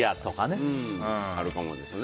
あるかもですね。